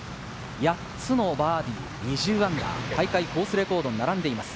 ８つのバーディー、−２０、大会コースレコードに並んでいます。